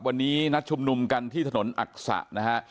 วันนี้นัดชุมนุมกันที่ถนนอักษะนะฮะ